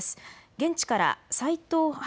現地から齋藤湧